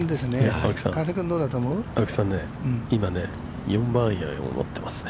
◆青木さん、今４番アイアンを持っていますね。